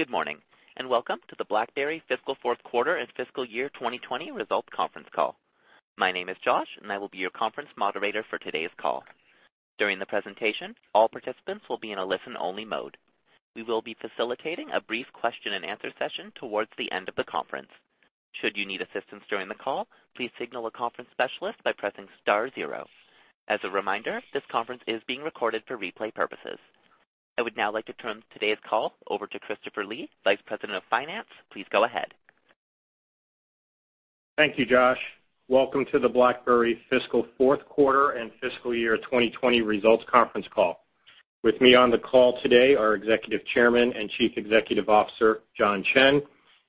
Good morning, and welcome to the BlackBerry fiscal fourth quarter and fiscal year 2020 results conference call. My name is Josh, and I will be your conference moderator for today's call. During the presentation, all participants will be in a listen-only mode. We will be facilitating a brief question-and-answer session towards the end of the conference. Should you need assistance during the call, please signal a conference specialist by pressing star zero. As a reminder, this conference is being recorded for replay purposes. I would now like to turn today's call over to Christopher Lee, Vice President of Finance. Please go ahead. Thank you, Josh. Welcome to the BlackBerry fiscal fourth quarter and fiscal year 2020 results conference call. With me on the call today are Executive Chairman and Chief Executive Officer, John Chen,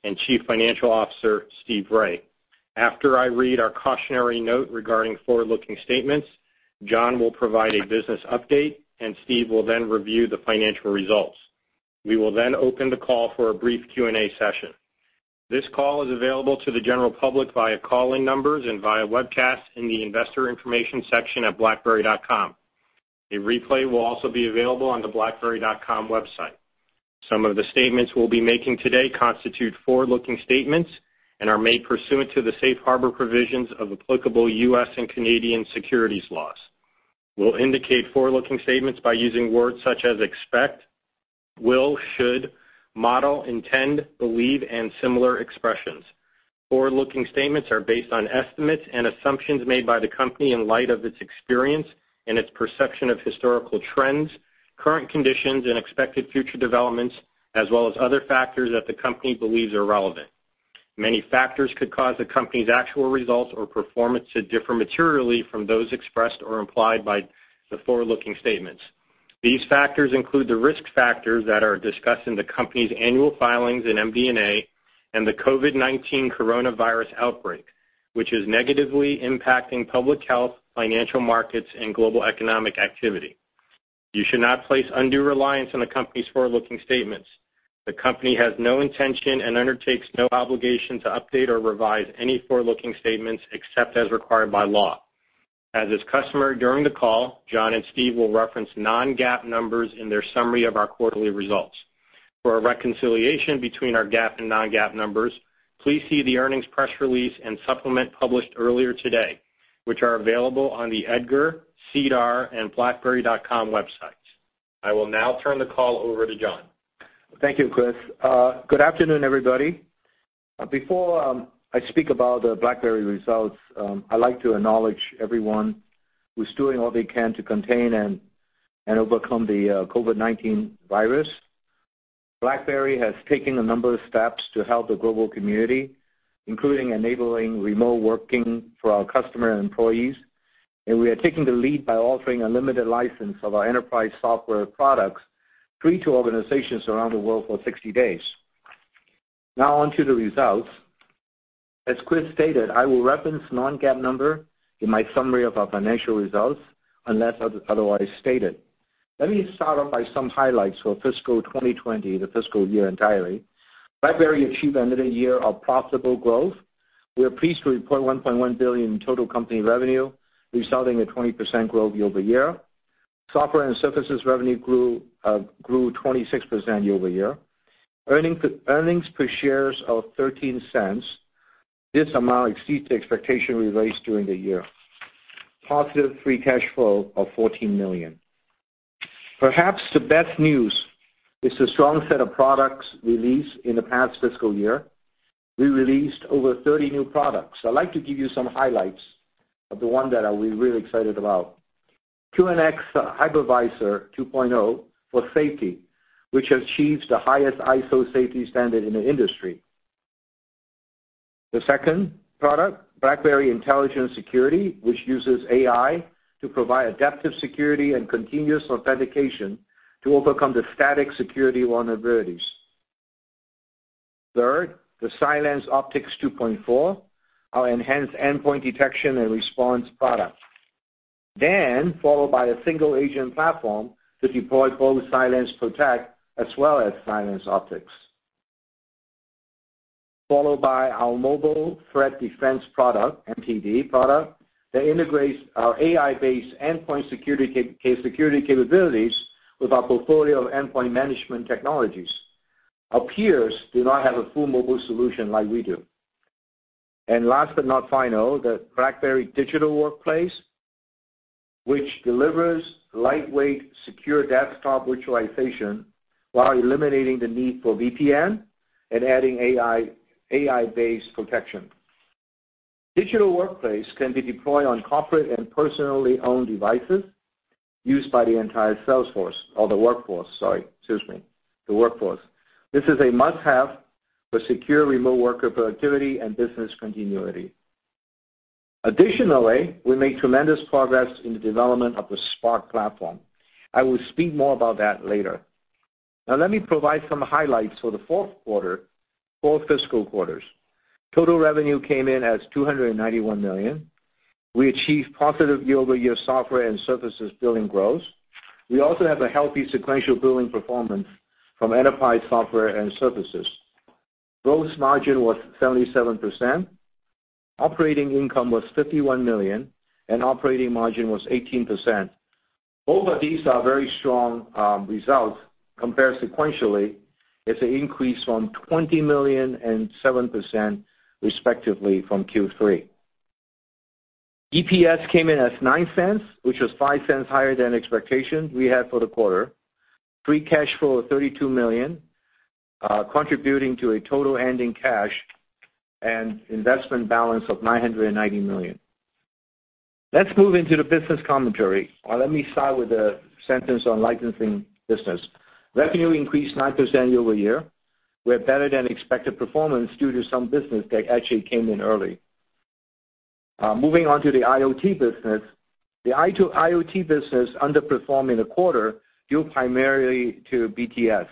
and Chief Financial Officer, Steve Rai. After I read our cautionary note regarding forward-looking statements, John will provide a business update, and Steve will then review the financial results. We will then open the call for a brief Q&A session. This call is available to the general public via calling numbers and via webcast in the investor information section at blackberry.com. A replay will also be available on the blackberry.com website. Some of the statements we'll be making today constitute forward-looking statements and are made pursuant to the safe harbor provisions of applicable U.S. and Canadian securities laws. We'll indicate forward-looking statements by using words such as expect, will, should, model, intend, believe, and similar expressions. Forward-looking statements are based on estimates and assumptions made by the company in light of its experience and its perception of historical trends, current conditions and expected future developments, as well as other factors that the company believes are relevant. Many factors could cause the company's actual results or performance to differ materially from those expressed or implied by the forward-looking statements. These factors include the risk factors that are discussed in the company's annual filings in MD&A and the COVID-19 coronavirus outbreak, which is negatively impacting public health, financial markets, and global economic activity. You should not place undue reliance on the company's forward-looking statements. The company has no intention and undertakes no obligation to update or revise any forward-looking statements except as required by law. As is customary during the call, John and Steve will reference non-GAAP numbers in their summary of our quarterly results. For a reconciliation between our GAAP and non-GAAP numbers, please see the earnings press release and supplement published earlier today, which are available on the EDGAR, SEDAR, and blackberry.com websites. I will now turn the call over to John. Thank you, Chris. Good afternoon, everybody. Before I speak about the BlackBerry results, I'd like to acknowledge everyone who's doing all they can to contain and overcome the COVID-19 virus. BlackBerry has taken a number of steps to help the global community, including enabling remote working for our customer and employees. We are taking the lead by offering a limited license of our enterprise software products free to organizations around the world for 60 days. Now on to the results. As Chris stated, I will reference non-GAAP number in my summary of our financial results, unless otherwise stated. Let me start off by some highlights for fiscal 2020, the fiscal year entirely. BlackBerry achieved another year of profitable growth. We are pleased to report $1.1 billion in total company revenue, resulting in 20% growth year-over-year. Software and surfaces revenue grew 26% year-over-year. Earnings per share of $0.13. This amount exceeds the expectation we raised during the year. Positive free cash flow of $14 million. Perhaps the best news is the strong set of products released in the past fiscal year. We released over 30 new products. I'd like to give you some highlights of the one that we're really excited about. QNX Hypervisor 2.0 for safety, which achieves the highest ISO safety standard in the industry. The second product, BlackBerry Intelligent Security, which uses AI to provide adaptive security and Continuous Authentication to overcome the static security vulnerabilities. Third, the CylanceOPTICS 2.4, our enhanced Endpoint Detection and Response product. Followed by a single agent platform to deploy both CylancePROTECT as well as CylanceOPTICS. Followed by our Mobile Threat Defense product, MTD product, that integrates our AI-based endpoint security capabilities with our portfolio of endpoint management technologies. Our peers do not have a full mobile solution like we do. Last but not final, the BlackBerry Digital Workplace, which delivers lightweight, secure desktop virtualization while eliminating the need for VPN and adding AI-based protection. Digital Workplace can be deployed on corporate and personally-owned devices used by the entire sales force or the workforce, sorry. Excuse me. The workforce. This is a must-have for secure remote worker productivity and business continuity. Additionally, we made tremendous progress in the development of the Spark platform. I will speak more about that later. Let me provide some highlights for the fourth fiscal quarters. Total revenue came in as $291 million. We achieved positive year-over-year software and services billing growth. We also have a healthy sequential billing performance from enterprise software and services. Gross margin was 77%, operating income was $51 million, and operating margin was 18%. Both of these are very strong results compared sequentially. It's an increase from $20 million and 7%, respectively, from Q3. EPS came in as $0.09, which was $0.05 higher than expectations we had for the quarter. Free cash flow of $32 million, contributing to a total ending cash and investment balance of $990 million. Let's move into the business commentary. Let me start with a sentence on licensing business. Revenue increased 9% year-over-year. We had better than expected performance due to some business that actually came in early. Moving on to the IoT business. The IoT business underperformed in the quarter due primarily to BTS.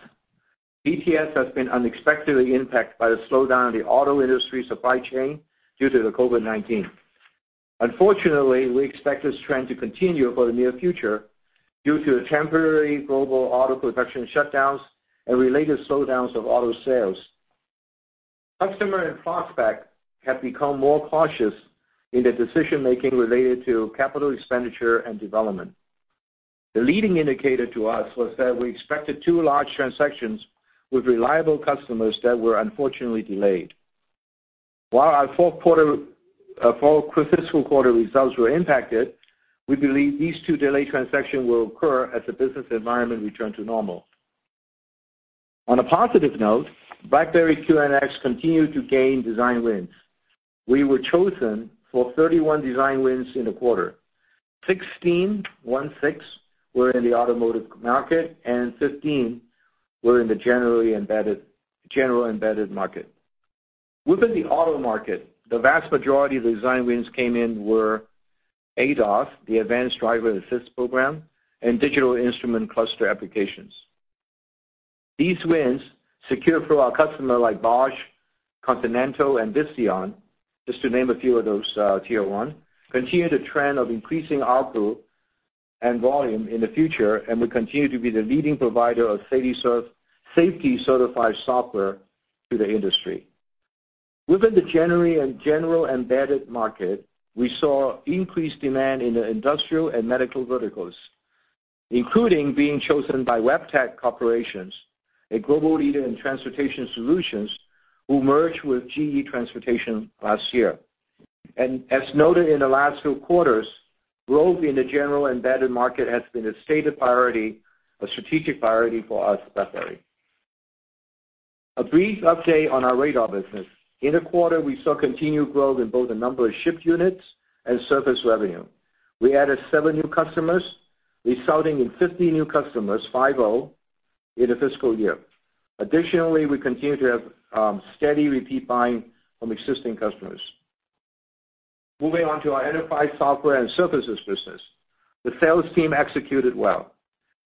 BTS has been unexpectedly impacted by the slowdown in the auto industry supply chain due to the COVID-19. Unfortunately, we expect this trend to continue for the near future due to temporary global auto production shutdowns and related slowdowns of auto sales. Customer and prospect have become more cautious in their decision-making related to capital expenditure and development. The leading indicator to us was that we expected two large transactions with reliable customers that were unfortunately delayed. While our fourth fiscal quarter results were impacted, we believe these two delayed transaction will occur as the business environment return to normal. On a positive note, BlackBerry QNX continued to gain design wins. We were chosen for 31 design wins in the quarter. 16, one six, were in the automotive market, and 15 were in the general embedded market. Within the auto market, the vast majority of the design wins came in were ADAS, the Advanced Driver Assist program, and digital instrument cluster applications. These wins, secured through our customer like Bosch, Continental, and Veoneer, just to name a few of those tier one, continue the trend of increasing our pool and volume in the future and will continue to be the leading provider of safety certified software to the industry. Within the general embedded market, we saw increased demand in the industrial and medical verticals, including being chosen by Wabtec Corporation, a global leader in transportation solutions who merged with GE Transportation last year. As noted in the last few quarters, growth in the general embedded market has been a stated priority, a strategic priority for us at BlackBerry. A brief update on our Radar business. In the quarter, we saw continued growth in both the number of shipped units and service revenue. We added seven new customers, resulting in 50 new customers, 50, in the fiscal year. Additionally, we continue to have steady repeat buying from existing customers. Moving on to our Enterprise Software and Services business. The sales team executed well,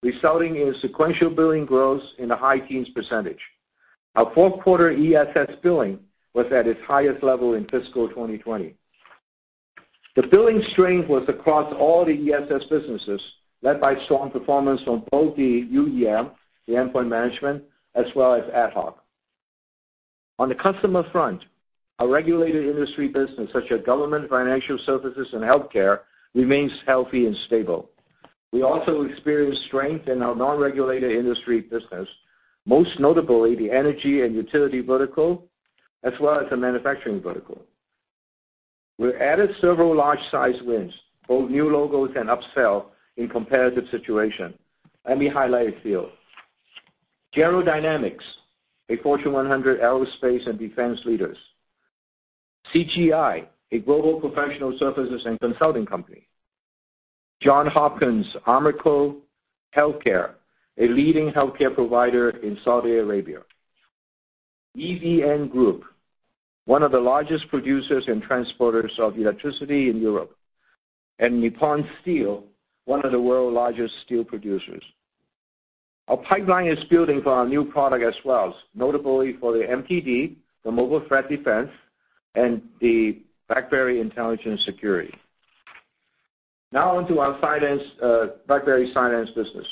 resulting in sequential billing growth in the high teens percentage. Our fourth quarter ESS billing was at its highest level in fiscal 2020. The billing strength was across all the ESS businesses, led by strong performance from both the UEM, the endpoint management, as well as AtHoc. On the customer front, our regulated industry business such as government, financial services, and healthcare, remains healthy and stable. We also experienced strength in our non-regulated industry business, most notably the energy and utility vertical, as well as the manufacturing vertical. We added several large size wins, both new logos and upsell in competitive situation. Let me highlight a few. General Dynamics, a Fortune 100 aerospace and defense leaders. CGI, a global professional services and consulting company. Johns Hopkins Aramco Healthcare, a leading healthcare provider in Saudi Arabia. EVN Group, one of the largest producers and transporters of electricity in Europe, Nippon Steel, one of the world's largest steel producers. Our pipeline is building for our new product as well, notably for the MTD, the Mobile Threat Defense, and the BlackBerry Intelligent Security. On to our BlackBerry Cylance business.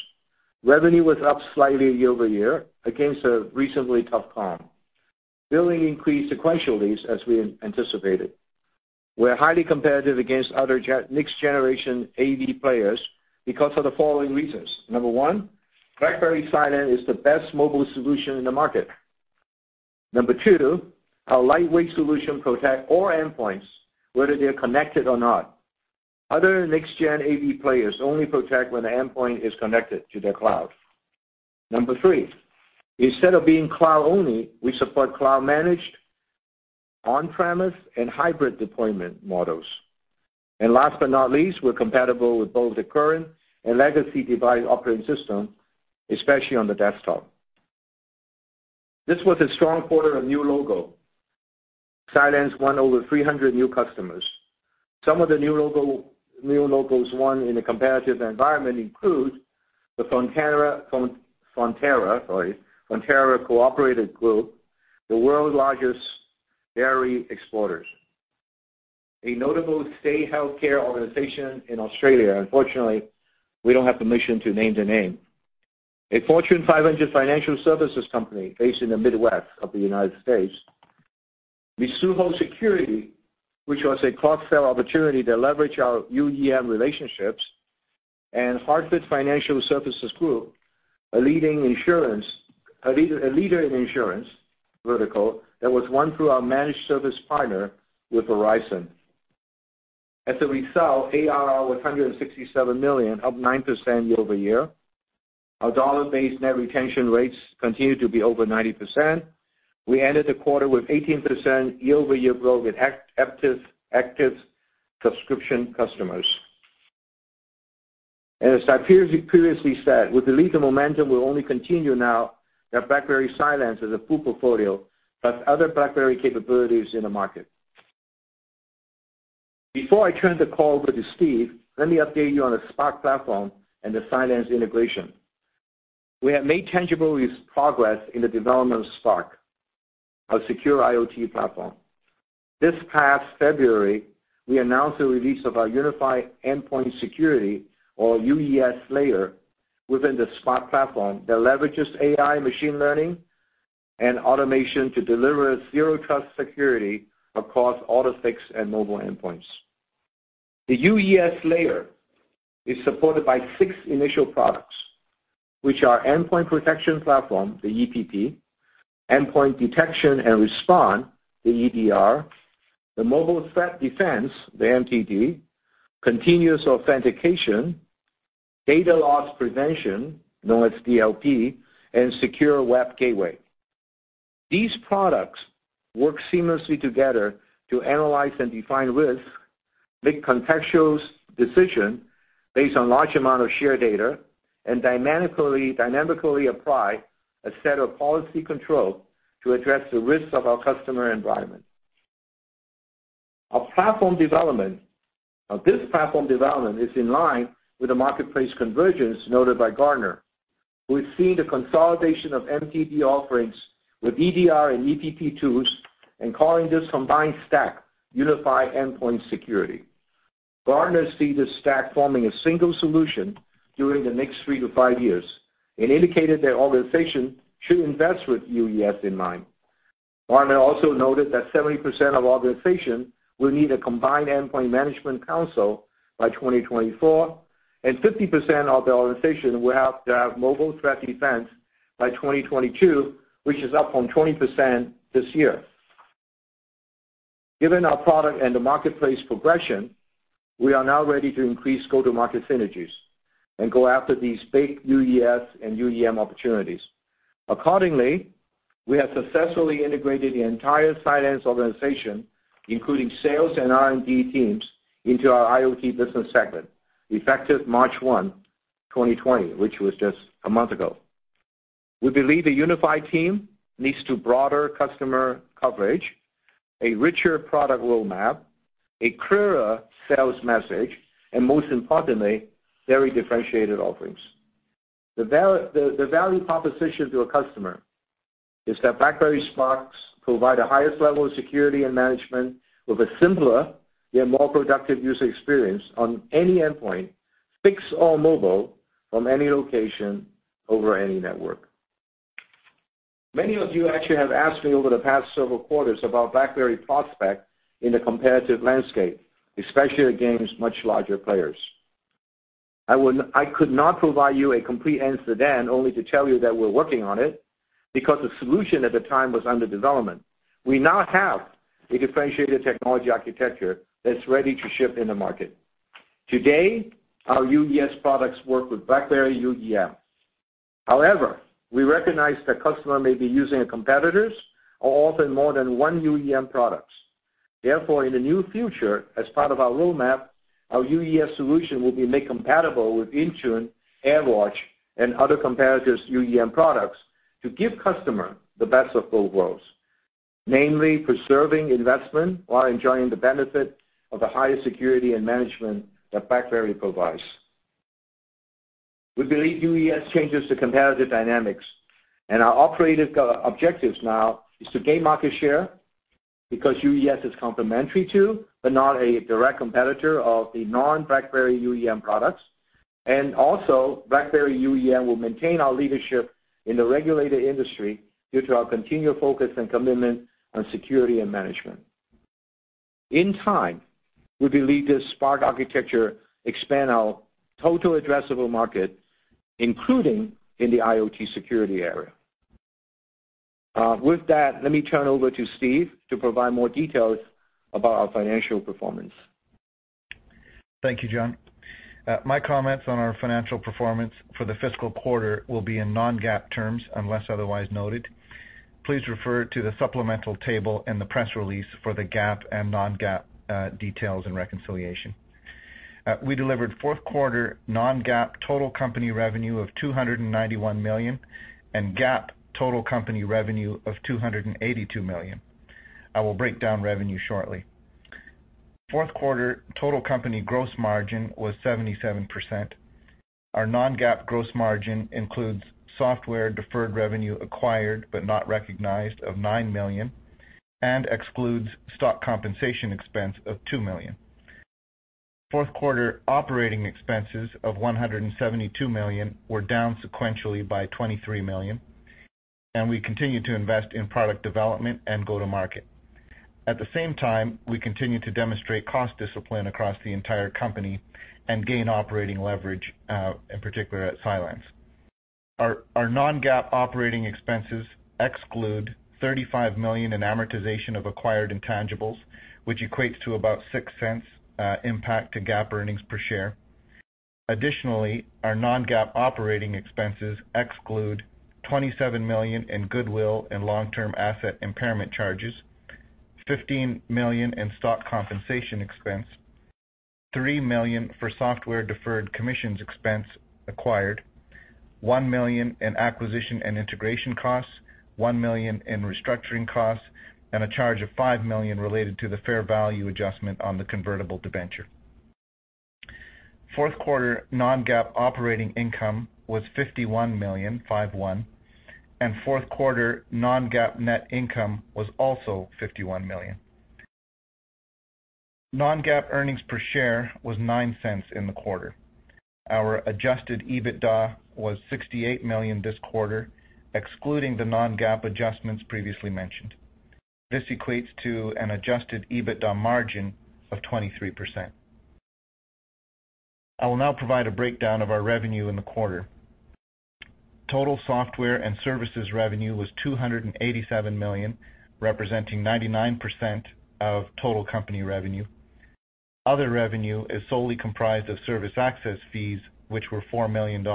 Revenue was up slightly year-over-year against a reasonably tough comp. Billing increased sequentially as we anticipated. We're highly competitive against other next-generation AV players because of the following reasons. Number one, BlackBerry Cylance is the best mobile solution in the market. Number two, our lightweight solution protect all endpoints whether they are connected or not. Other next-gen AV players only protect when the endpoint is connected to their cloud. Number three, instead of being cloud only, we support cloud managed, on-premise, and hybrid deployment models. Last but not least, we're compatible with both the current and legacy device operating system, especially on the desktop. This was a strong quarter of new logo. Cylance won over 300 new customers. Some of the new logos won in a competitive environment include the Fonterra Co-operative Group, the world's largest dairy exporters. A notable state healthcare organization in Australia. Unfortunately, we don't have permission to name the name. A Fortune 500 financial services company based in the Midwest of the U.S. Mizuho Securities, which was a cross-sell opportunity to leverage our UEM relationships, and Hartford Financial Services Group, a leader in insurance vertical that was won through our managed service partner with Verizon. As a result, ARR was $167 million, up 9% year-over-year. Our dollar-based net retention rates continue to be over 90%. As I previously said, with the lead to momentum, we'll only continue now that BlackBerry Cylance is a full portfolio, plus other BlackBerry capabilities in the market. Before I turn the call over to Steve, let me update you on the Spark platform and the Cylance integration. We have made tangible progress in the development of Spark, our secure IoT platform. This past February, we announced the release of our Unified Endpoint Security, or UES layer, within the Spark platform that leverages AI, machine learning, and automation to deliver zero-trust security across all the stacks and mobile endpoints. The UES layer is supported by six initial products, which are Endpoint Protection Platform, the EPP, Endpoint Detection and Response, the EDR, the Mobile Threat Defense, the MTD, Continuous Authentication, Data Loss Prevention, known as DLP, and Secure Web Gateway. These products work seamlessly together to analyze and define risks, make contextual decisions based on large amount of shared data, and dynamically apply a set of policy control to address the risks of our customer environment. This platform development is in line with the marketplace convergence noted by Gartner, who has seen the consolidation of MTD offerings with EDR and EPP tools and calling this combined stack Unified Endpoint Security. Gartner sees this stack forming a single solution during the next three to five years and indicated that organizations should invest with UES in mind. Gartner also noted that 70% of organizations will need a combined endpoint management console by 2024, and 50% of the organizations will have to have Mobile Threat Defense by 2022, which is up from 20% this year. Given our product and the marketplace progression, we are now ready to increase go-to-market synergies and go after these big UES and UEM opportunities. Accordingly, we have successfully integrated the entire finance organization, including sales and R&D teams, into our IoT business segment, effective March 1, 2020, which was just a month ago. We believe a unified team leads to broader customer coverage, a richer product roadmap, a clearer sales message, and most importantly, very differentiated offerings. The value proposition to a customer is that BlackBerry Sparks provide the highest level of security and management with a simpler yet more productive user experience on any endpoint, fixed or mobile, from any location over any network. Many of you actually have asked me over the past several quarters about BlackBerry prospects in the competitive landscape, especially against much larger players. I could not provide you a complete answer then, only to tell you that we're working on it, because the solution at the time was under development. We now have a differentiated technology architecture that's ready to ship in the market. Today, our UES products work with BlackBerry UEM. However, we recognize that customer may be using a competitor's or often more than one UEM products. Therefore, in the near future, as part of our roadmap, our UES solution will be made compatible with Intune, AirWatch, and other competitors' UEM products to give customer the best of both worlds, namely preserving investment while enjoying the benefit of the highest security and management that BlackBerry provides. We believe UES changes the competitive dynamics, and our operative objectives now is to gain market share because UES is complementary to, but not a direct competitor of the non-BlackBerry UEM products. Also BlackBerry UEM will maintain our leadership in the regulated industry due to our continued focus and commitment on security and management. In time, we believe this Spark architecture expand our total addressable market, including in the IoT security area. With that, let me turn over to Steve to provide more details about our financial performance. Thank you, John. My comments on our financial performance for the fiscal quarter will be in non-GAAP terms, unless otherwise noted. Please refer to the supplemental table in the press release for the GAAP and non-GAAP details and reconciliation. We delivered fourth quarter non-GAAP total company revenue of $291 million and GAAP total company revenue of $282 million. I will break down revenue shortly. Fourth quarter total company gross margin was 77%. Our non-GAAP gross margin includes software deferred revenue acquired but not recognized of $9 million and excludes stock compensation expense of $2 million. Fourth quarter operating expenses of $172 million were down sequentially by $23 million, and we continue to invest in product development and go to market. At the same time, we continue to demonstrate cost discipline across the entire company and gain operating leverage, in particular at Cylance. Our non-GAAP operating expenses exclude $35 million in amortization of acquired intangibles, which equates to about $0.06 impact to GAAP earnings per share. Additionally, our non-GAAP operating expenses exclude $27 million in goodwill and long-term asset impairment charges, $15 million in stock compensation expense, $3 million for software deferred commissions expense acquired, $1 million in acquisition and integration costs, $1 million in restructuring costs, and a charge of $5 million related to the fair value adjustment on the convertible debenture. Fourth quarter non-GAAP operating income was $51 million, five one, and fourth quarter non-GAAP net income was also $51 million. Non-GAAP earnings per share was $0.09 in the quarter. Our adjusted EBITDA was $68 million this quarter, excluding the non-GAAP adjustments previously mentioned. This equates to an adjusted EBITDA margin of 23%. I will now provide a breakdown of our revenue in the quarter. Total software and services revenue was $287 million, representing 99% of total company revenue. Other revenue is solely comprised of service access fees, which were $4 million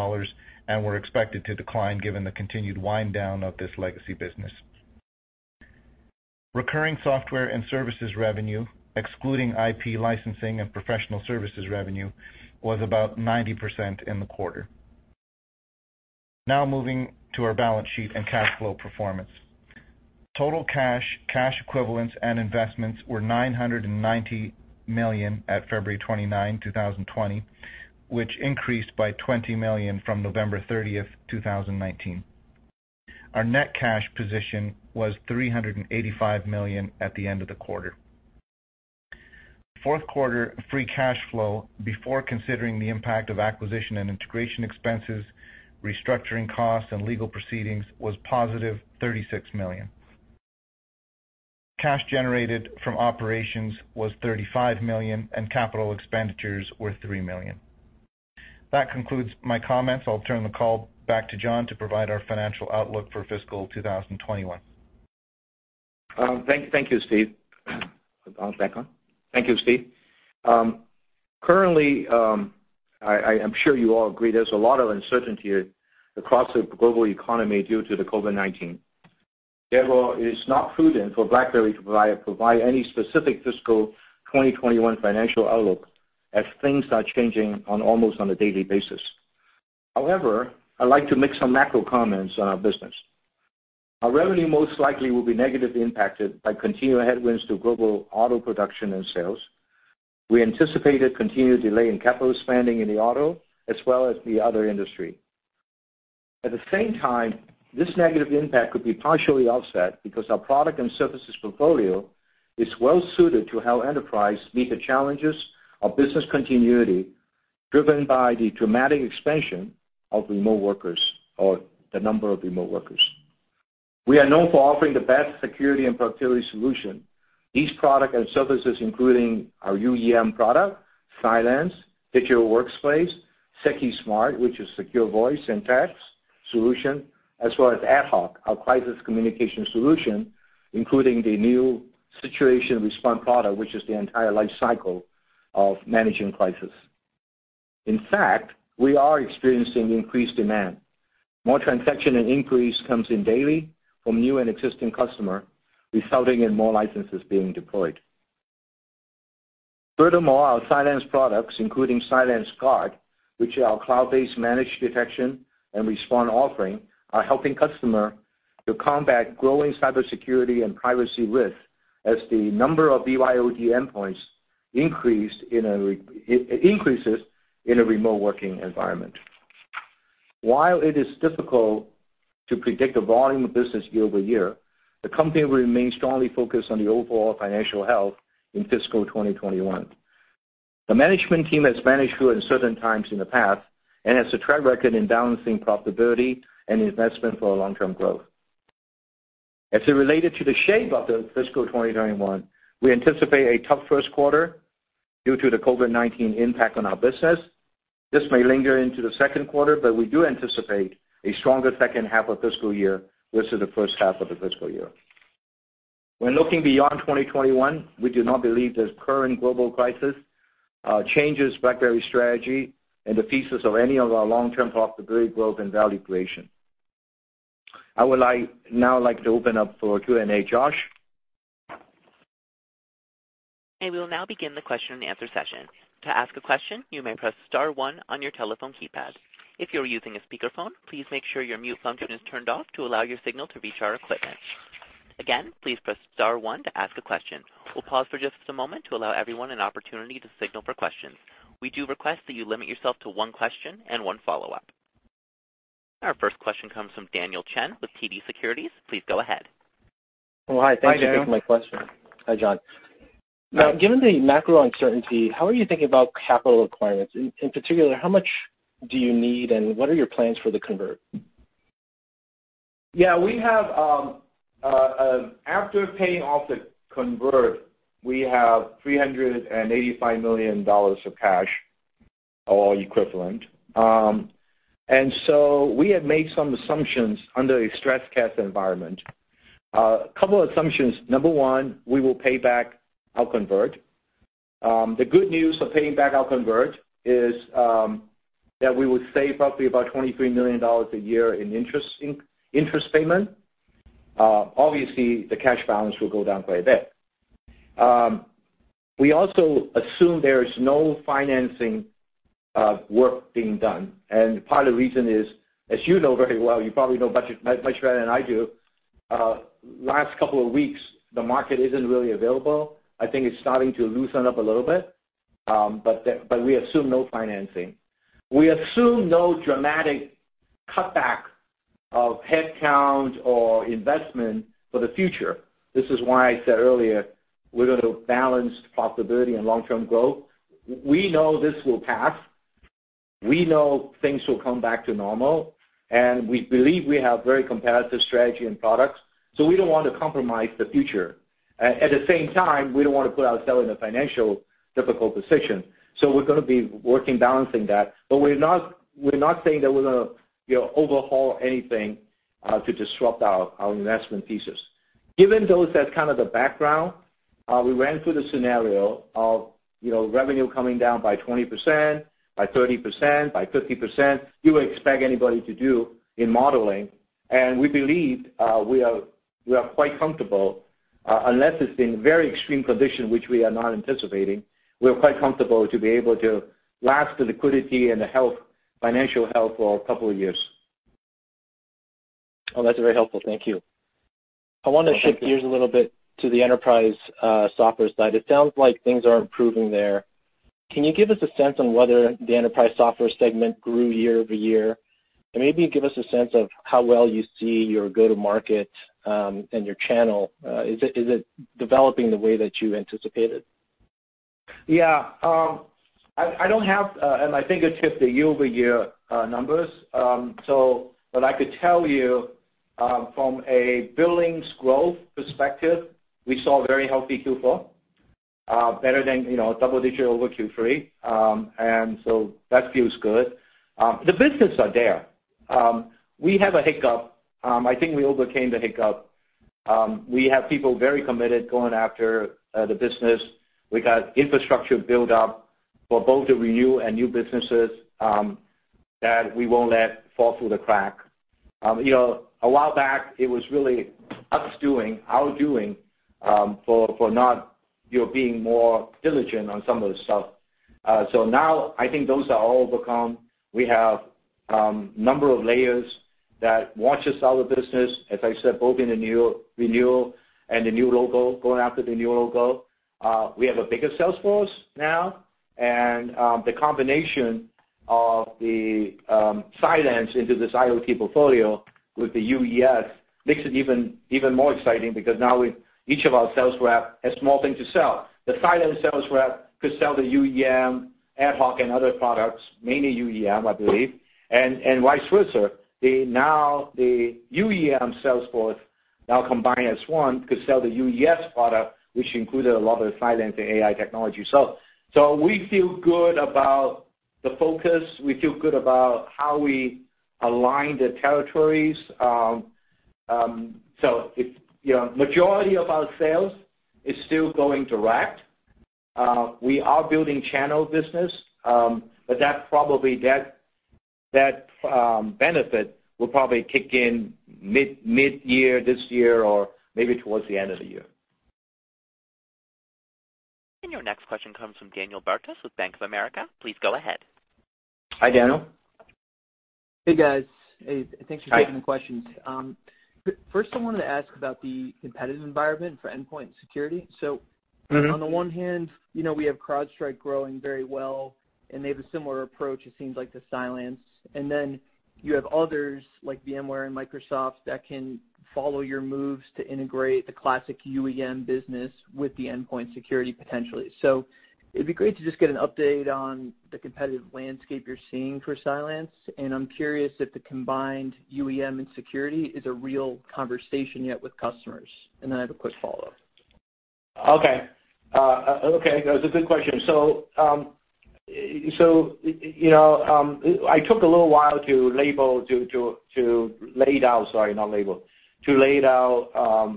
and were expected to decline given the continued wind down of this legacy business. Recurring software and services revenue, excluding IP licensing and professional services revenue, was about 90% in the quarter. Moving to our balance sheet and cash flow performance. Total cash equivalents and investments were $990 million at February 29, 2020, which increased by $20 million from November 30, 2019. Our net cash position was $385 million at the end of the quarter. Fourth quarter free cash flow, before considering the impact of acquisition and integration expenses, restructuring costs, and legal proceedings, was $+36 million. Cash generated from operations was $35 million, and capital expenditures were $3 million. That concludes my comments. I'll turn the call back to John to provide our financial outlook for fiscal 2021. Thank you, Steve. Is it back on? Thank you, Steve. Currently, I'm sure you all agree there's a lot of uncertainty across the global economy due to the COVID-19. Therefore, it is not prudent for BlackBerry to provide any specific fiscal 2021 financial outlook as things are changing almost on a daily basis. However, I'd like to make some macro comments on our business. Our revenue most likely will be negatively impacted by continued headwinds to global auto production and sales. We anticipated continued delay in capital spending in the auto, as well as the other industry. At the same time, this negative impact could be partially offset because our product and services portfolio is well suited to help enterprise meet the challenges of business continuity driven by the dramatic expansion of remote workers or the number of remote workers. We are known for offering the best security and productivity solution. These products and services, including our UEM product, Cylance, BlackBerry Digital Workplace, Secusmart, which is secure voice and fax solution, as well as AtHoc, our crisis communication solution, including the new situation response product, which is the entire lifecycle of managing crisis. In fact, we are experiencing increased demand. More transaction and inquiries comes in daily from new and existing customer, resulting in more licenses being deployed. Furthermore, our Cylance products, including CylanceGUARD, which are cloud-based managed detection and response offering, are helping customer to combat growing cybersecurity and privacy risk as the number of BYOD endpoints increases in a remote working environment. While it is difficult to predict the volume of business year-over-year, the company will remain strongly focused on the overall financial health in fiscal 2021. The management team has managed through uncertain times in the past and has a track record in balancing profitability and investment for our long-term growth. As it related to the shape of fiscal 2021, we anticipate a tough first quarter due to the COVID-19 impact on our business. This may linger into the second quarter, but we do anticipate a stronger second half of fiscal year versus the first half of the fiscal year. When looking beyond 2021, we do not believe this current global crisis changes BlackBerry's strategy and the thesis of any of our long-term profitability growth and value creation. I would now like to open up for Q&A. Josh? We will now begin the question-and-answer session. To ask a question, you may press star one on your telephone keypad. If you are using a speakerphone, please make sure your mute function is turned off to allow your signal to reach our equipment. Again, please press star one to ask a question. We'll pause for just a moment to allow everyone an opportunity to signal for questions. We do request that you limit yourself to one question and one follow-up. Our first question comes from Daniel Chan with TD Securities. Please go ahead. Well, hi. Hi, Daniel. Thank you for taking my question. Hi, John. Yeah. Given the macro uncertainty, how are you thinking about capital requirements? In particular, how much do you need, and what are your plans for the convert? Yeah. After paying off the convert, we have $385 million of cash or equivalent. We have made some assumptions under a stress test environment. A couple assumptions. Number one, we will pay back our convert. The good news for paying back our convert is that we would save roughly about $23 million a year in interest payment. Obviously, the cash balance will go down quite a bit. We also assume there is no financing work being done, and part of the reason is, as you know very well, you probably know much better than I do, last couple of weeks, the market isn't really available. I think it's starting to loosen up a little bit. We assume no financing. We assume no dramatic cutback of headcount or investment for the future. This is why I said earlier, we're going to balance profitability and long-term growth. We know this will pass. We know things will come back to normal, and we believe we have very competitive strategy and products, so we don't want to compromise the future. At the same time, we don't want to put ourselves in a financially difficult position. We're going to be working balancing that. We're not saying that we're going to overhaul anything to disrupt our investment thesis. Given those as kind of the background, we ran through the scenario of revenue coming down by 20%, by 30%, by 50%, you would expect anybody to do in modeling. We believe we are quite comfortable, unless it's in very extreme condition, which we are not anticipating. We are quite comfortable to be able to last the liquidity and the financial health for a couple of years. Oh, that's very helpful. Thank you. You're welcome. I want to shift gears a little bit to the enterprise software side. It sounds like things are improving there. Can you give us a sense on whether the enterprise software segment grew year-over-year? Maybe give us a sense of how well you see your go-to-market, and your channel. Is it developing the way that you anticipated? Yeah. I don't have, I think I checked the year-over-year numbers. What I could tell you, from a billings growth perspective, we saw a very healthy Q4, better than double-digit over Q3. That feels good. The business are there. We have a hiccup. I think we overcame the hiccup. We have people very committed going after the business. We got infrastructure build-up for both the renew and new businesses, that we won't let fall through the crack. A while back, it was really us doing, our doing, for not being more diligent on some of the stuff. Now I think those are all overcome. We have number of layers that watches our business, as I said, both in the new renew and the new logo, going after the new logo. We have a bigger sales force now. The combination of the Cylance into this IoT portfolio with the UES makes it even more exciting because now each of our sales rep has small things to sell. The Cylance sales rep could sell the UEM, AtHoc and other products, mainly UEM, I believe. Vice versa. The UEM sales force now combined as one could sell the UES product, which included a lot of the Cylance and AI technology. We feel good about the focus. We feel good about how we align the territories. Majority of our sales is still going direct. We are building channel business, but that benefit will probably kick in mid-year this year or maybe towards the end of the year. Your next question comes from Dan Bartus with Bank of America. Please go ahead. Hi, Daniel. Hey, guys. Hi taking the questions. First I wanted to ask about the competitive environment for endpoint and security. On the one hand, we have CrowdStrike growing very well. They have a similar approach, it seems like, to Cylance. You have others like VMware and Microsoft that can follow your moves to integrate the classic UEM business with the endpoint security potentially. It'd be great to just get an update on the competitive landscape you're seeing for Cylance. I'm curious if the combined UEM and security is a real conversation yet with customers. I have a quick follow-up. Okay. That's a good question. I took a little while to lay out, sorry, not label. To lay out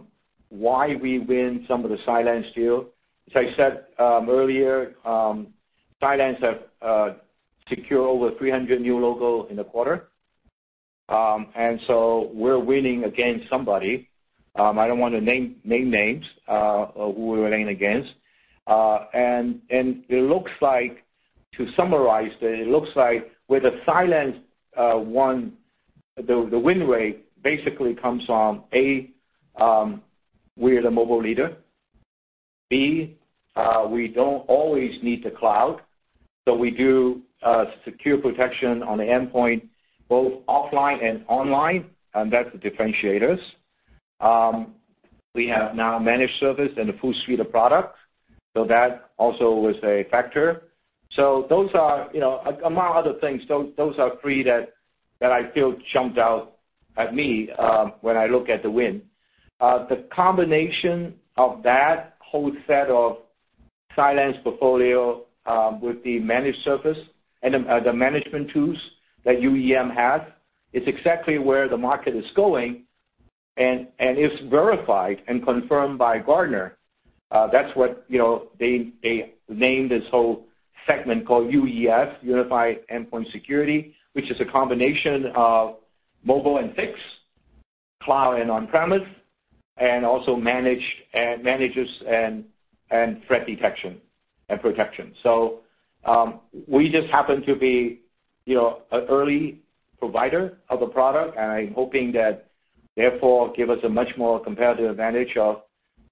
why we win some of the Cylance deal. As I said earlier, Cylance have secured over 300 new logo in the quarter. We're winning against somebody. I don't want to name names of who we were winning against. To summarize, it looks like with a Cylance one, the win rate basically comes from, A, we are the mobile leader. B, we don't always need the cloud, we do secure protection on the endpoint, both offline and online, that differentiate us. We have now managed service and a full suite of products. That also was a factor. Those are, among other things, those are three that I feel jumped out at me when I look at the win. The combination of that whole set of Cylance portfolio with the managed service and the management tools that UEM has, it's exactly where the market is going and it's verified and confirmed by Gartner. That's what they named this whole segment called UES, Unified Endpoint Security, which is a combination of mobile and fix, cloud and on-premise, and also manages and threat detection and protection. We just happen to be an early provider of the product, and I'm hoping that therefore give us a much more competitive advantage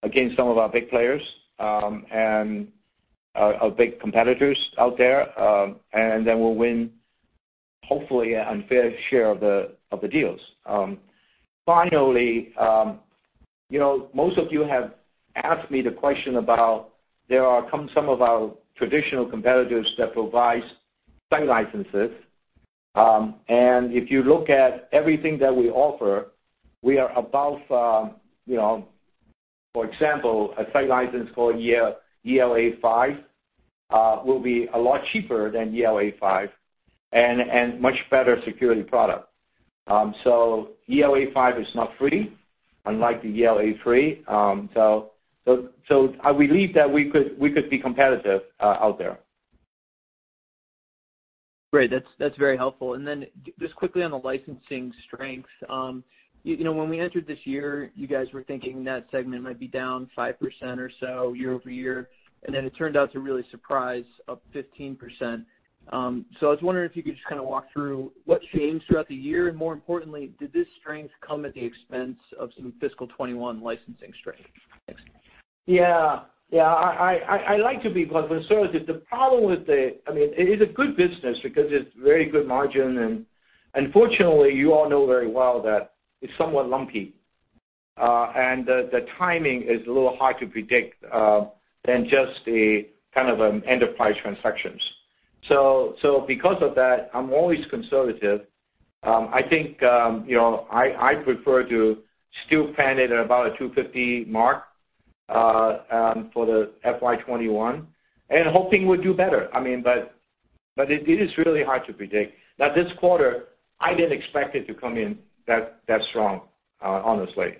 against some of our big players, and our big competitors out there, and then we'll win, hopefully, a unfair share of the deals. Finally, most of you have asked me the question about, there are some of our traditional competitors that provide site licenses. If you look at everything that we offer, we are above, for example, a site license called E5 will be a lot cheaper than E5 and much better security product. E5 is not free, unlike the ELA free. I believe that we could be competitive out there. Great. That's very helpful. Then just quickly on the licensing strength. When we entered this year, you guys were thinking that segment might be down 5% or so year-over-year, and then it turned out to really surprise up 15%. I was wondering if you could just kind of walk through what changed throughout the year, and more importantly, did this strength come at the expense of some fiscal 2021 licensing strength? Thanks. Yeah. I like to be conservative. It is a good business because it's very good margin and unfortunately, you all know very well that it's somewhat lumpy. The timing is a little hard to predict than just the kind of enterprise transactions. Because of that, I'm always conservative. I think I prefer to still plan it at about a $250 mark for the FY 2021 and hoping we'll do better. It is really hard to predict. Now, this quarter, I didn't expect it to come in that strong, honestly.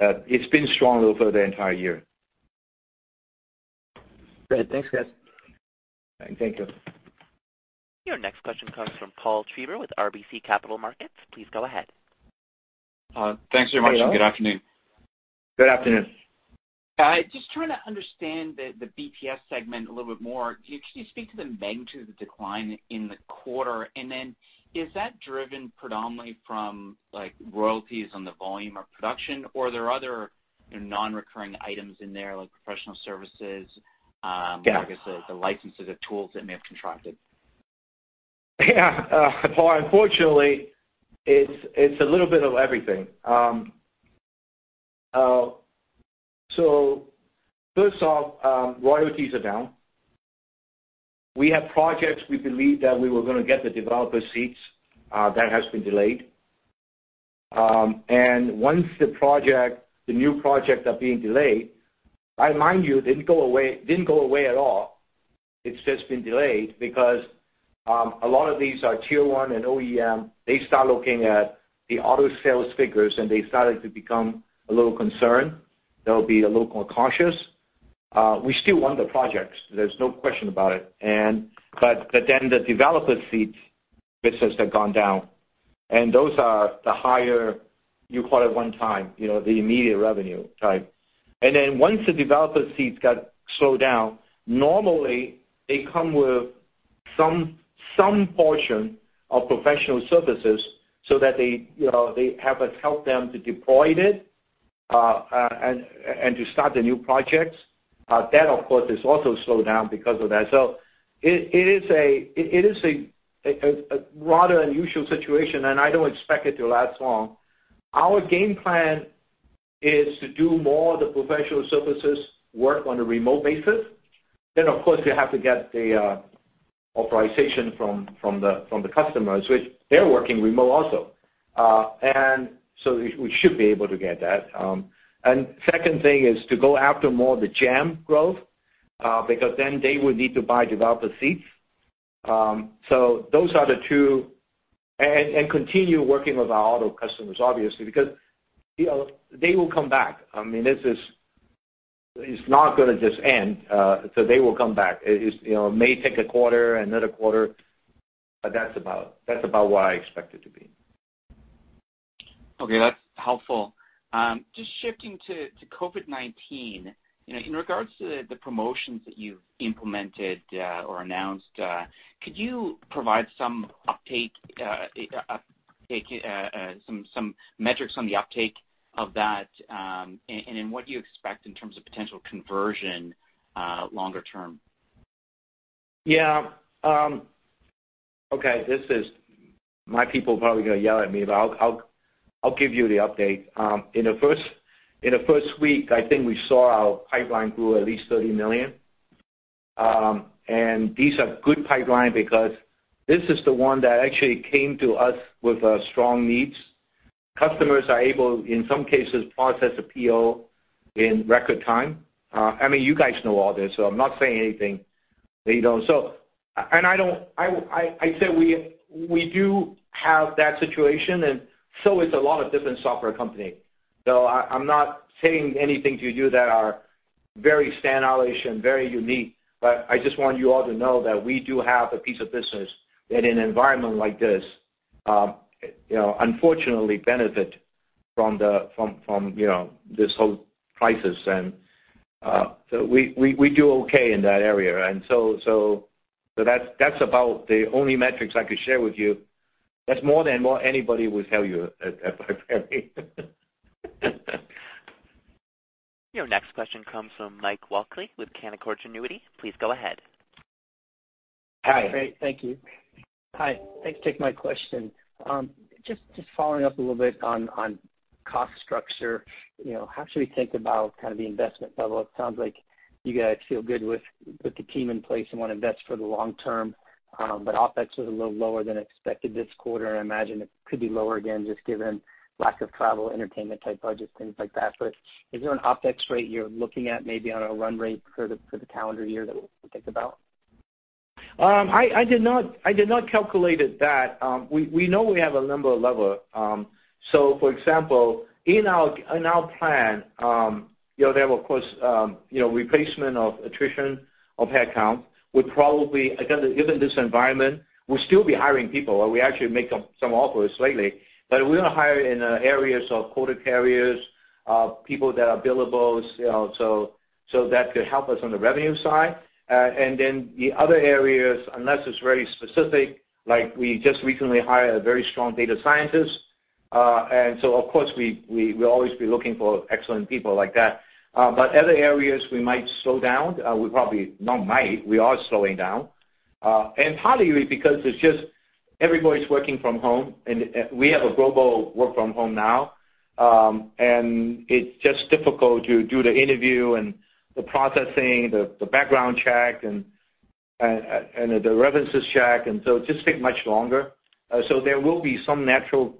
It's been strong over the entire year. Good. Thanks, guys. Thank you. Your next question comes from Paul Treiber with RBC Capital Markets. Please go ahead. Thanks very much, and good afternoon. Good afternoon. Just trying to understand the BTS segment a little bit more. Can you speak to the magnitude of the decline in the quarter? Is that driven predominantly from royalties on the volume of production or there are other non-recurring items in there, like professional services? Yeah I guess the licenses of tools that may have contracted? Yeah. Paul, unfortunately, it's a little bit of everything. First off, royalties are down. We have projects we believe that we were going to get the developer seats, that has been delayed. Once the new projects are being delayed, mind you, it didn't go away at all. It's just been delayed because a lot of these are tier one and OEM. They start looking at the auto sales figures, and they started to become a little concerned. They'll be a little more cautious. We still won the projects. There's no question about it. The developer seats business had gone down, and those are the higher, you call it one time, the immediate revenue type. Once the developer seats got slowed down, normally they come with some portion of professional services so that they have us help them to deploy it and to start the new projects. That, of course, is also slowed down because of that. It is a rather unusual situation, and I don't expect it to last long. Our game plan is to do more of the professional services work on a remote basis. Of course, you have to get the authorization from the customers, which they're working remote also. We should be able to get that. Second thing is to go after more of the GEM growth, because then they would need to buy developer seats. Those are the two. Continue working with our auto customers, obviously, because they will come back. It's not going to just end, so they will come back. It may take a quarter, another quarter, but that's about what I expect it to be. Okay, that's helpful. Just shifting to COVID-19. In regards to the promotions that you've implemented or announced, could you provide some metrics on the uptake of that? What do you expect in terms of potential conversion longer term? Yeah. Okay. My people are probably going to yell at me, but I'll give you the update. In the first week, I think we saw our pipeline grew at least $30 million. These are good pipeline because this is the one that actually came to us with strong needs. Customers are able, in some cases, process a PO in record time. I mean, you guys know all this, so I'm not saying anything that you don't. I say we do have that situation, it's a lot of different software company. I'm not saying anything to you that are very Sand Island and very unique, but I just want you all to know that we do have a piece of business that in an environment like this, unfortunately benefit from this whole crisis. We do okay in that area. That's about the only metrics I could share with you. That's more than what anybody would tell you at BlackBerry. Your next question comes from Mike Walkley with Canaccord Genuity. Please go ahead. Hi. Great. Thank you. Hi. Thanks for taking my question. Just following up a little bit on cost structure. How should we think about kind of the investment level? It sounds like you guys feel good with the team in place and want to invest for the long term, but OpEx was a little lower than expected this quarter, and I imagine it could be lower again just given lack of travel, entertainment type budget, things like that. Is there an OpEx rate you're looking at maybe on a run rate for the calendar year that we can think about? I did not calculate it that. We know we have a number level. For example, in our plan, there, of course, replacement of attrition of headcount would probably, again, given this environment, we'll still be hiring people or we actually make some offers lately, we're going to hire in areas of quoted carriers, people that are billables, so that could help us on the revenue side. The other areas, unless it's very specific, like we just recently hired a very strong data scientist. Of course, we'll always be looking for excellent people like that. Other areas we might slow down, we probably not might, we are slowing down. Partly because it's just everybody's working from home and we have a global work from home now. It's just difficult to do the interview and the processing, the background check and the references check. It just take much longer. There will be some natural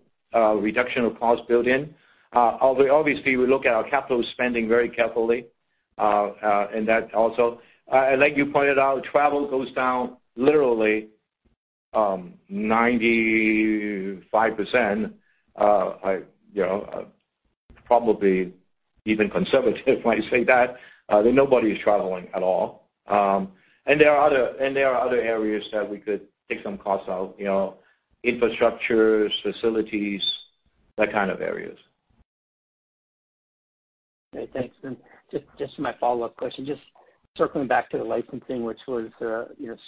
reduction of cost built in. Although obviously, we look at our capital spending very carefully, and that also. Like you pointed out, travel goes down literally, 95%. Probably even conservative when I say that. That nobody's traveling at all. There are other areas that we could take some costs out, infrastructures, facilities, that kind of areas. Okay, thanks. Just my follow-up question, just circling back to the licensing, which was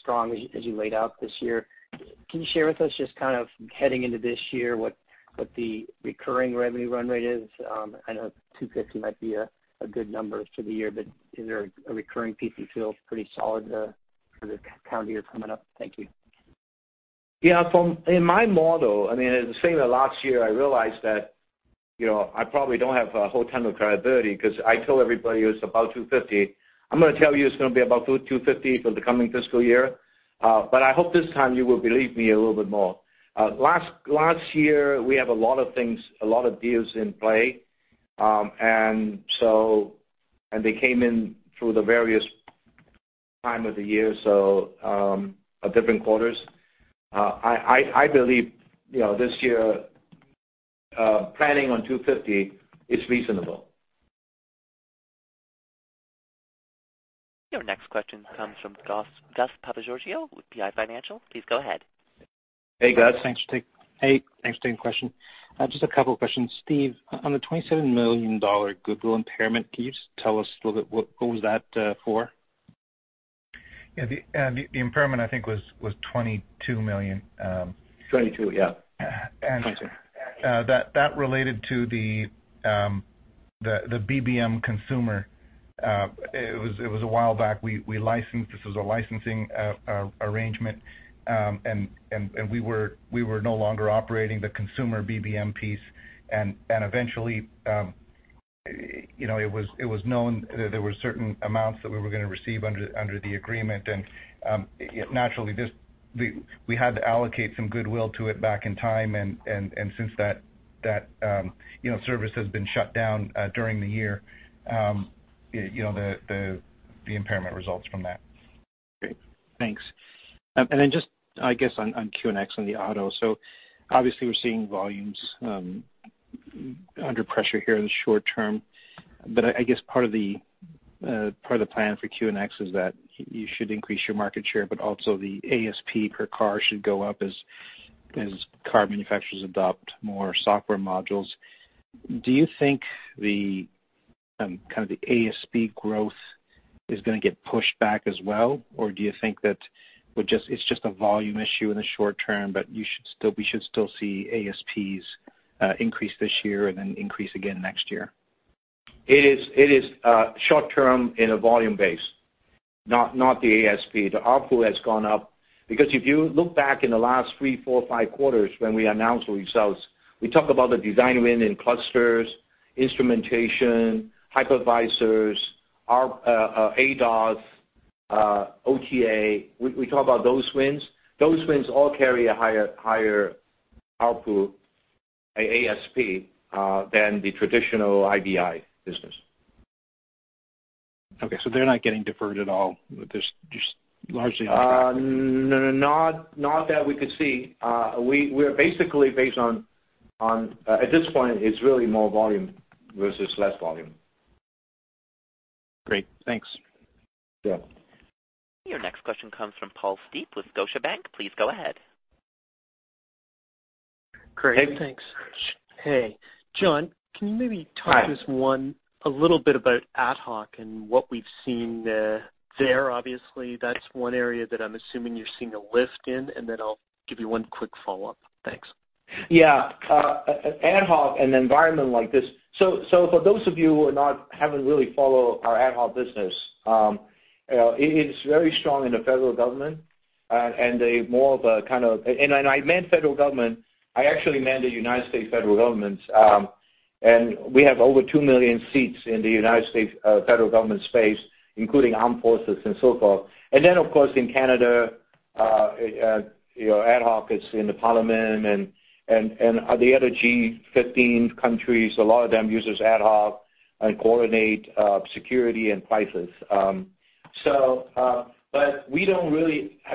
strong as you laid out this year. Can you share with us just kind of heading into this year what the recurring revenue run rate is? I know $250 might be a good number for the year, is there a recurring piece you feel is pretty solid for the calendar year coming up? Thank you. Yeah, in my model, I mean, saying that last year I realized that I probably don't have a whole ton of credibility because I tell everybody it was about $250. I'm going to tell you it's going to be about $250 for the coming fiscal year. I hope this time you will believe me a little bit more. Last year, we have a lot of things, a lot of deals in play. They came in through the various time of the year, so, different quarters. I believe this year, planning on $250 is reasonable. Your next question comes from Gus Papageorgiou with PI Financial. Please go ahead. Hey, Gus. Thanks for taking the question. Just a couple of questions. Steve, on the $27 million goodwill impairment, can you just tell us a little bit what was that for? Yeah, the impairment, I think was $22 million. 22, yeah. That related to the BBM consumer. It was a while back. This was a licensing arrangement, we were no longer operating the consumer BBM piece eventually, it was known that there were certain amounts that we were going to receive under the agreement. Naturally we had to allocate some goodwill to it back in time since that service has been shut down during the year, the impairment results from that. Great. Thanks. I guess on QNX and the auto, so obviously we're seeing volumes under pressure here in the short term, but I guess part of the plan for QNX is that you should increase your market share, but also the ASP per car should go up as car manufacturers adopt more software modules. Do you think the ASP growth is going to get pushed back as well? Do you think that it's just a volume issue in the short term, but we should still see ASPs increase this year and then increase again next year? It is short-term in a volume base, not the ASP. The ARPU has gone up because if you look back in the last three, four, five quarters when we announced results, we talk about the design win in clusters, instrumentation, hypervisors, ADAS, OTA. We talk about those wins. Those wins all carry a higher ARPU, ASP, than the traditional IVI business. Okay, they're not getting deferred at all. No. Not that we could see. We are basically based on, at this point, it's really more volume versus less volume. Great. Thanks. Yeah. Your next question comes from Paul Steep with Scotiabank. Please go ahead. Great. Hey. Thanks. Hey, John, can you maybe? Hi talk just one, a little bit about AtHoc and what we've seen there? That's one area that I'm assuming you're seeing a lift in, and then I'll give you one quick follow-up. Thanks. AtHoc, an environment like this. For those of you who haven't really followed our AtHoc business, it is very strong in the federal government and when I meant federal government, I actually meant the U.S. federal government. We have over 2 million seats in the U.S. federal government space, including armed forces and so forth. Of course, in Canada, AtHoc is in the parliament and the other G15 countries, a lot of them uses AtHoc and coordinate security and prices. We haven't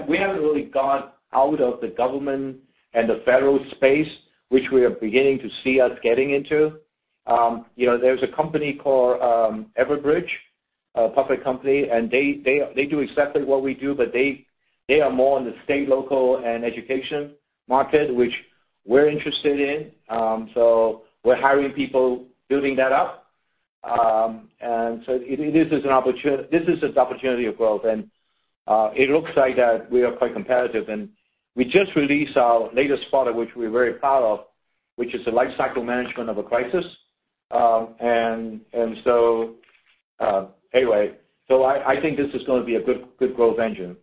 really got out of the government and the federal space, which we are beginning to see us getting into. There's a company called Everbridge, a public company, they do exactly what we do, they are more in the state, local, and education market, which we're interested in. We're hiring people, building that up. This is an opportunity of growth, and it looks like that we are quite competitive. We just released our latest product, which we're very proud of, which is the life cycle management of a crisis. Anyway, I think this is going to be a good growth engine.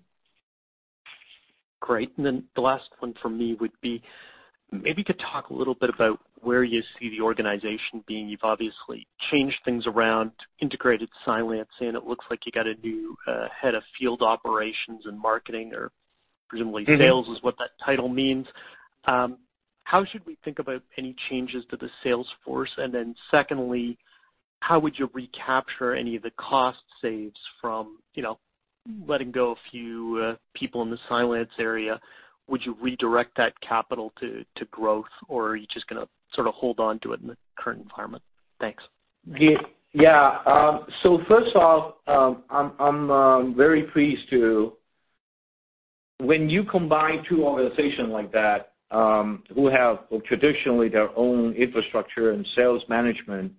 Great. The last one from me would be, maybe you could talk a little bit about where you see the organization being. You've obviously changed things around, integrated Cylance, and it looks like you got a new head of field operations and marketing. sales is what that title means. How should we think about any changes to the sales force? Secondly, how would you recapture any of the cost saves from letting go a few people in the Cylance area? Would you redirect that capital to growth, or are you just going to sort of hold on to it in the current environment? Thanks. First off, I'm very pleased to, when you combine two organizations like that who have traditionally their own infrastructure and sales management,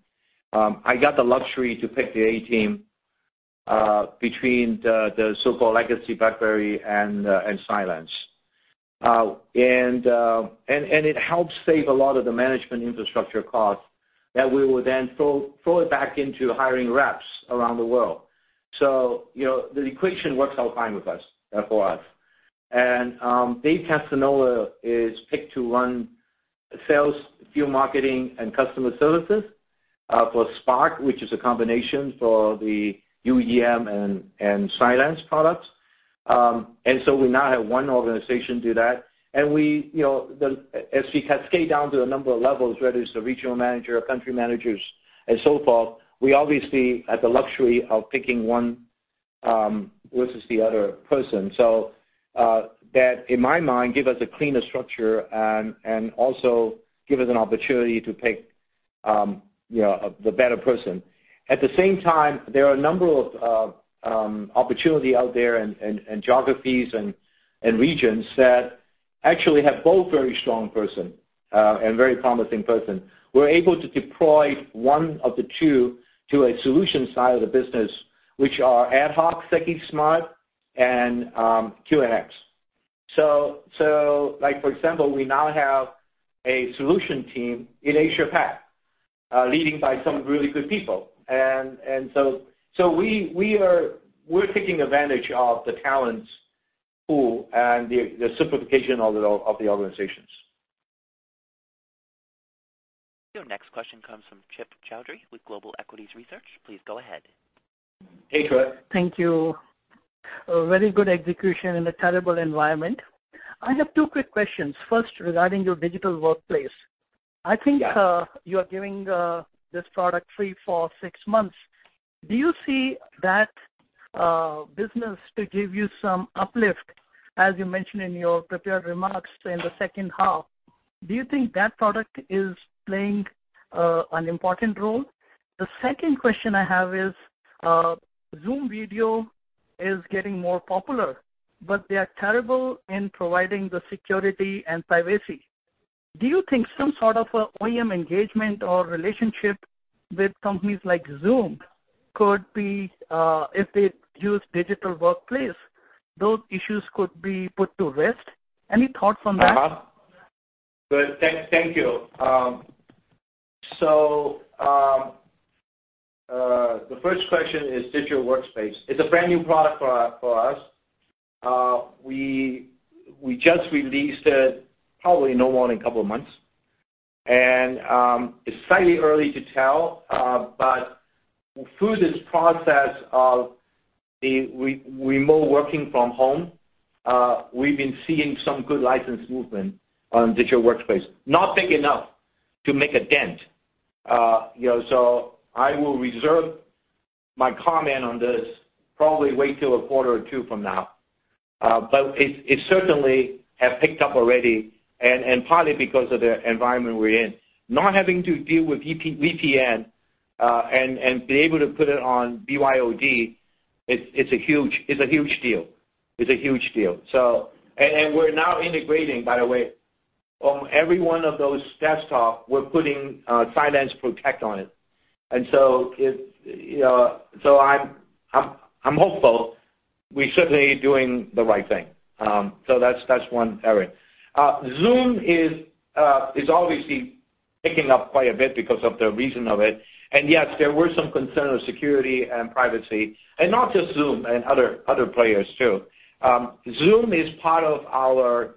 I got the luxury to pick the A team, between the so-called legacy BlackBerry and Cylance. It helps save a lot of the management infrastructure costs that we will then throw it back into hiring reps around the world. The equation works out fine for us. Dave Castignola is picked to run sales, field marketing, and customer services, for Spark, which is a combination for the UEM and Cylance products. We now have one organization do that. As we cascade down to a number of levels, whether it's the regional manager or country managers and so forth, we obviously had the luxury of picking one versus the other person. That, in my mind, give us a cleaner structure and also give us an opportunity to pick the better person. At the same time, there are a number of opportunity out there and geographies and regions that actually have both very strong person, and very promising person. We're able to deploy one of the two to a solution side of the business, which are AtHoc, SecuSUITE, Secusmart, and QNX. For example, we now have a solution team in Asia Pac, leading by some really good people. We're taking advantage of the talents pool and the simplification of the organizations. Your next question comes from Trip Chowdhry with Global Equities Research. Please go ahead. Hey, Trip. Thank you. A very good execution in a terrible environment. I have two quick questions. First, regarding your Digital Workplace. Yeah. I think you are giving this product free for six months. Do you see that business to give you some uplift, as you mentioned in your prepared remarks in the second half. Do you think that product is playing an important role? The second question I have is, Zoom is getting more popular, but they are terrible in providing the security and privacy. Do you think some sort of OEM engagement or relationship with companies like Zoom could be, if they use Digital Workplace, those issues could be put to rest? Any thought from that? Good. Thank you. The first question is Digital Workplace. It's a brand new product for us. We just released it probably no more than a couple of months. It's slightly early to tell, but through this process of the remote working from home, we've been seeing some good license movement on Digital Workplace. Not big enough to make a dent. I will reserve my comment on this, probably wait till a quarter or two from now. It certainly have picked up already and partly because of the environment we're in. Not having to deal with VPN, and be able to put it on BYOD, it's a huge deal. We're now integrating, by the way, on every one of those desktop, we're putting CylancePROTECT on it. I'm hopeful we're certainly doing the right thing. That's one area. Zoom is obviously picking up quite a bit because of the reason of it. Yes, there were some concerns of security and privacy, and not just Zoom and other players, too. Zoom is part of our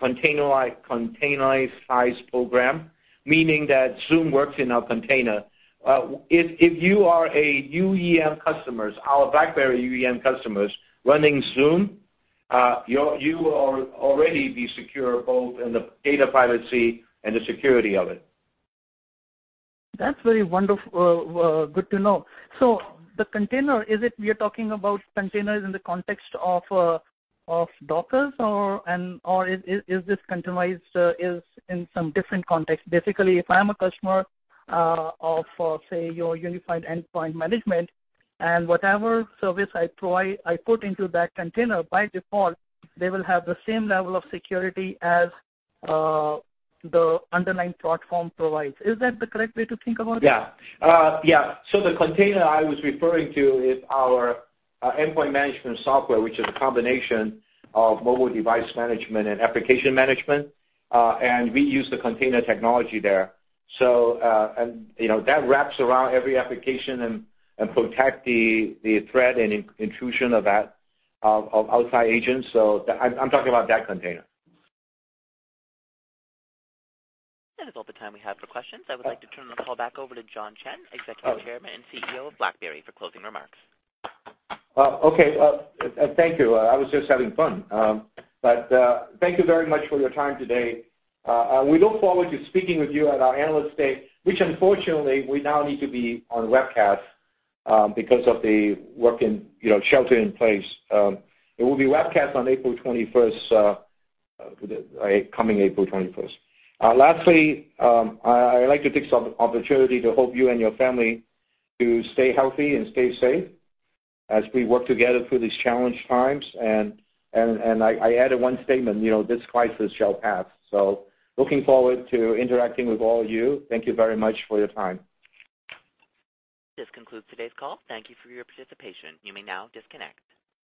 containerized program, meaning that Zoom works in a container. If you are a UEM customers, our BlackBerry UEM customers running Zoom, you are already be secure both in the data privacy and the security of it. That's very good to know. The container, is it we are talking about containers in the context of Docker or is this containerized is in some different context? Basically, if I'm a customer of, say, your Unified Endpoint Management and whatever service I put into that container, by default, they will have the same level of security as the underlying platform provides. Is that the correct way to think about it? Yeah. The container I was referring to is our endpoint management software, which is a combination of mobile device management and application management. We use the container technology there. That wraps around every application and protect the threat and intrusion of outside agents. I'm talking about that container. That is all the time we have for questions. I would like to turn the call back over to John Chen, Executive Chairman and CEO of BlackBerry, for closing remarks. Okay. Thank you. I was just having fun. Thank you very much for your time today. We look forward to speaking with you at our Analyst Day, which unfortunately we now need to be on webcast because of the working shelter in place. It will be webcast on April 21st, coming April 21st. Lastly, I'd like to take this opportunity to hope you and your family to stay healthy and stay safe as we work together through these challenged times. I added one statement, this crisis shall pass. Looking forward to interacting with all you. Thank you very much for your time. This concludes today's call. Thank you for your participation. You may now disconnect.